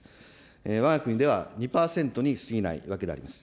わが国では２％にすぎないわけであります。